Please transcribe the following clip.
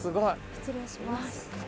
失礼します。